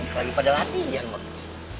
lagi pada latihan bang